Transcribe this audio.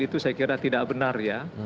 itu saya kira tidak benar ya